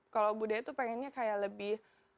kalau budaya tuh pengennya kayak lebih